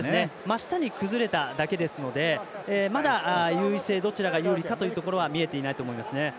真下に崩れただけですのでまだ優位性、どちらが有利かは見えていないと思いますね。